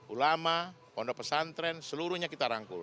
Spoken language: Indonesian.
ulama pondok pesantren seluruhnya kita rangkul